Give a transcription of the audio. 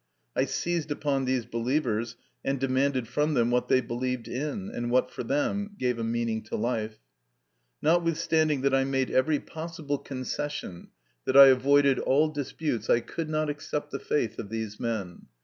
I seized upon these believers, and demanded from them what they believed in, and what for them gave a meaning to life. Notwithstanding that I made every possible 94 MY CONFESSION. 95 concession, that I avoided all disputes, I could not accept the faith of these men.